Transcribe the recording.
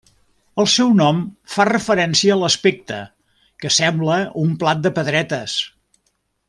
El seu nom fa referència a l'aspecte, que sembla un plat de pedretes.